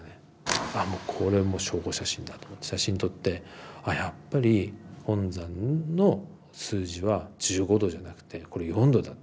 「あもうこれもう証拠写真だ」と思って写真撮って「あやっぱり本山の数字は１５°じゃなくてこれ４°だ。